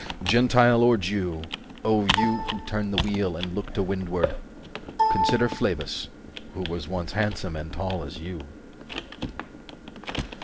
Gentile or Jew O you who turn the wheel and look to windward, 320 Consider Phlebas, who was once handsome and tall as you.